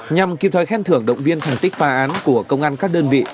nhằm kiếm thói khen thưởng động viên thành tích phá án của công an các đơn vị